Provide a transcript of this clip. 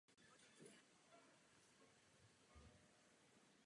Kdy budeme mít zákaz trans tuků?